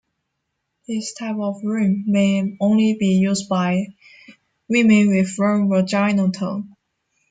This type of rim may only be used by women with firm vaginal tone.